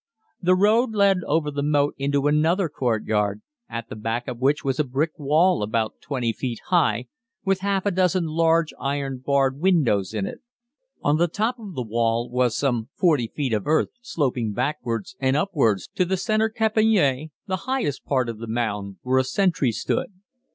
The road led over the moat into another courtyard, at the back of which was a brick wall about 20 feet high with half a dozen large iron barred windows in it. On the top of the wall was some 40 feet of earth sloping backwards and upwards to the center "caponnière," the highest part of the mound, where a sentry stood.